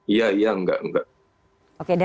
iya iya enggak enggak